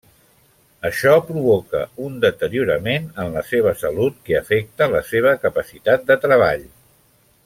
Això provoca un deteriorament en la seva salut que afecta la seva capacitat de treball.